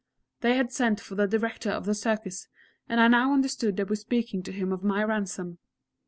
They had sent for the Director of the Circus, and I now understood they were speaking to him of my ransom.